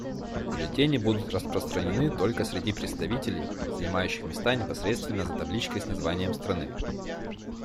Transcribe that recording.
Бюллетени будут распространены только среди представителей, занимающих места непосредственно за табличкой с названием страны.